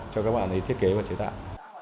cho các bạn ấy thiết kế và chế tạo